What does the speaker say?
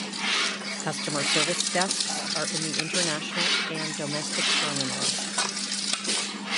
Customer service desks are in the international and domestic terminals.